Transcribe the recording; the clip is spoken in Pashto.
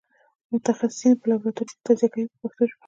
متخصصین یې په لابراتوارونو کې تجزیه کوي په پښتو ژبه.